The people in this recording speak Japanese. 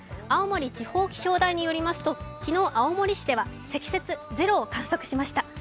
青森地方気象台によりますと昨日、青森市では積雪ゼロを観測しました。